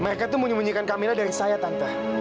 mereka itu menyembunyikan kamilah dari saya tante